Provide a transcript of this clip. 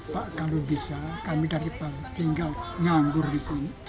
pak kalau bisa kami dari pak tinggal nganggur di sini